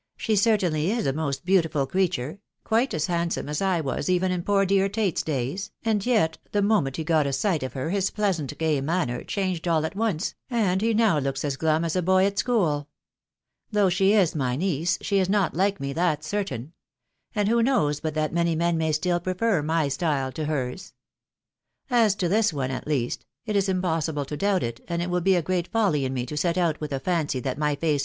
« She Certaiiily is a most beautiful creature ...• quite as handsome f8 * was even in poor dear Tate's days, and yet the moment e got a sight of her, his pleasant, gay manner, changed all at ce, and he now looks as glum as a boy at school. •.. Though who lc m^ n*eceJ sne is not h^e me> that's certain ;.... and hers p noprs out that many men may still prefer my style to *, and it '' "^8 to ^^ one' at kast, it is impossible to doubt \y race a *^^ great folly in me to set out with a fancy that W not s.